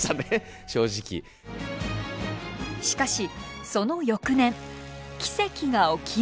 しかしその翌年奇跡が起きる。